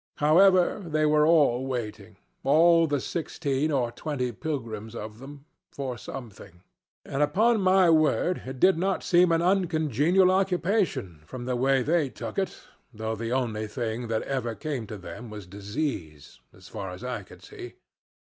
However, they were all waiting all the sixteen or twenty pilgrims of them for something; and upon my word it did not seem an uncongenial occupation, from the way they took it, though the only thing that ever came to them was disease as far as I could see.